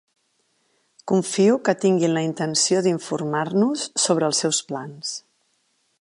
Confio que tinguin la intenció d'informar-nos sobre els seus plans.